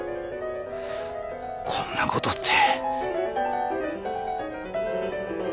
こんなことって。